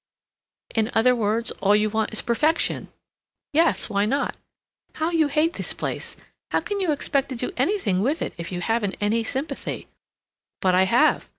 "In other words, all you want is perfection?" "Yes! Why not?" "How you hate this place! How can you expect to do anything with it if you haven't any sympathy?" "But I have!